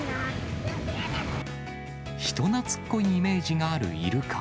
人なつっこいイメージがあるイルカ。